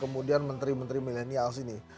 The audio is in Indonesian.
kemudian menteri menteri bintang ini